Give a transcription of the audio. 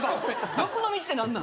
欲の道って何なん？